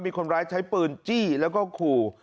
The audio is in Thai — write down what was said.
มีคนร้ายใช้ปืนจี้แล้วก็ขู่